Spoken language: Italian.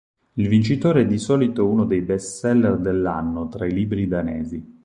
Il vincitore è di solito uno dei bestseller dell'anno tra i libri danesi.